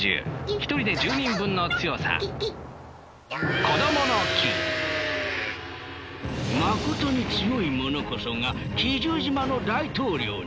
一人で１０人分の強さまことに強い者こそが奇獣島の大統領に。